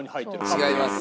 違います。